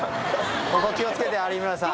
ここ気を付けて有村さん。